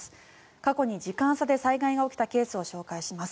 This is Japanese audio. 過去に時間差で災害が起きたケースを紹介します。